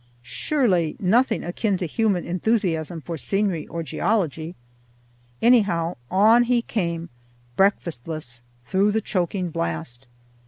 Surely nothing akin to human enthusiasm for scenery or geology. Anyhow, on he came, breakfastless, through the choking blast.